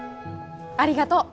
ありがとう！